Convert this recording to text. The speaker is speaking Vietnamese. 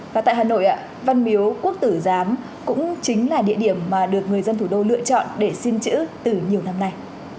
và tại hà nội văn miếu quốc tử giám cũng chính là địa điểm mà được người dân thủ đô lựa chọn để xin chữ từ nhiều năm nay